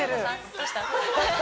どうした？